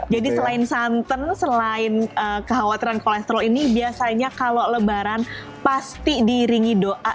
jadi selain santan selain kekhawatiran kolesterol ini biasanya kalau lebaran pasti diiringi doa